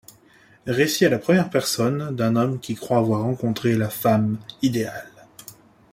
Récit à la première personne d’un homme qui croit avoir rencontré la femme idéale.